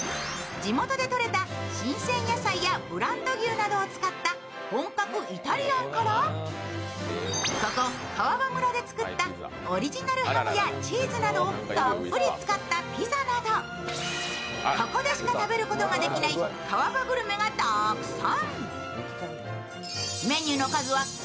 地元で取れた新鮮な野菜やブランド牛を使った本格イタリアンからここ川場村で作ったオリジナルハムやチーズなどをたっぷり使ったピザなど、ここでしか食べることができない川場グルメがたくさん。